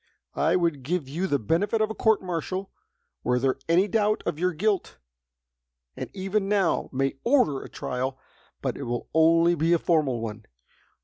I would give you the benefit of a court martial, were there any doubt of your guilt, and even now may order a trial, but it will only be a formal one.